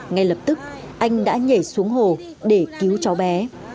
ngay lập tức anh đã nhảy xuống hồ để cứu cháu bé